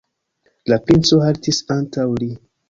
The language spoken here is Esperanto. La princo haltis antaŭ li.